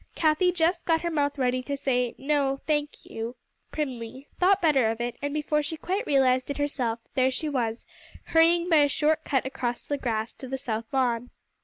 Cathie just got her mouth ready to say, "No, I thank you," primly, thought better of it, and before she quite realized it herself, there she was, hurrying by a short cut across the grass to the south lawn.